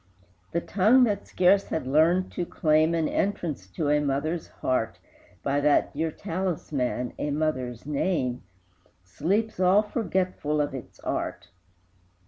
The tongue that scarce had learned to claim An entrance to a mother's heart By that dear talisman, a mother's name, Sleeps all forgetful of its art!